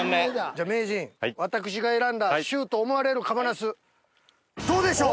じゃあ名人私が選んだ「秀」と思われる賀茂なすどうでしょう？